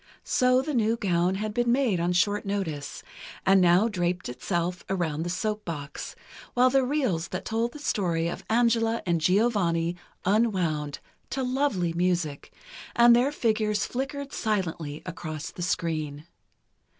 So the new gown had been made on short notice, and now draped itself around the soap box, while the reels that told the story of Angela and Giovanni unwound, to lovely music, and their figures flickered silently across the screen.